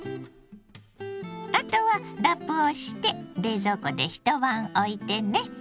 あとはラップをして冷蔵庫で一晩おいてね。